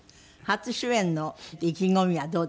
初主演の意気込みはどうです？